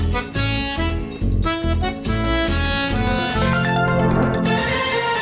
โปรดติดตามตอนต่อไป